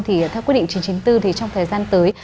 thì theo quyết định chín trăm chín mươi bốn thì trong thời gian tới